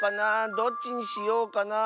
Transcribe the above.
どっちにしようかなあ。